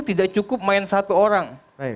tidak cukup main satu orang